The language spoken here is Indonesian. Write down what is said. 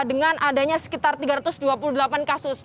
dengan adanya sekitar tiga ratus dua puluh delapan kasus